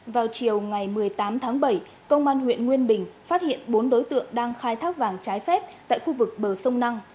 vào chiều ngày một mươi tám tháng bảy công an huyện nguyên bình phát hiện bốn đối tượng đang khai thác vàng trái phép tại khu vực bờ sông năng